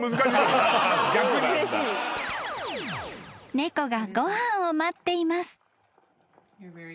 ［猫がご飯を待っています］